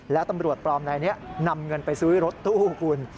แล้วตำรวจปลอมนายนี้นำเงินไปซื้อรถตู้คุณ